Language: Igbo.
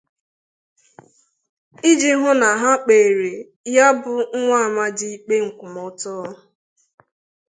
iji hụ na kpere ya bụ nwa amadi ikpe nkwụmọtọ.